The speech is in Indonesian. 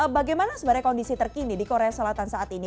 bagaimana sebenarnya kondisi terkini di korea selatan saat ini